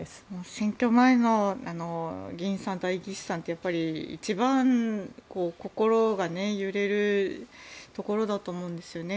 選挙前の議員さん、代議士さんって一番心が揺れるところだと思うんですよね。